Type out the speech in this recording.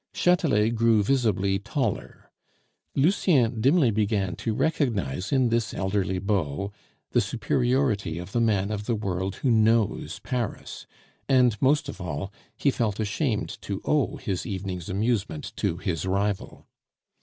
Chatelet grew visibly taller; Lucien dimly began to recognize in this elderly beau the superiority of the man of the world who knows Paris; and, most of all, he felt ashamed to owe his evening's amusement to his rival.